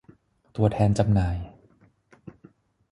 ผู้แทนจำหน่าย